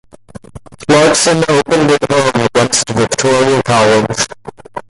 Clarkson opened at home against Victoria College.